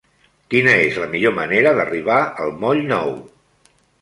Quina és la millor manera d'arribar al moll Nou?